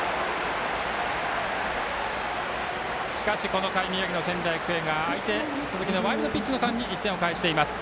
しかし、この回宮城の仙台育英が相手、鈴木のワイルドピッチの間に１点を返しています。